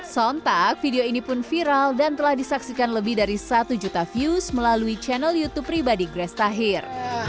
sontak video ini pun viral dan telah disaksikan lebih dari satu juta views melalui channel youtube pribadi grace tahir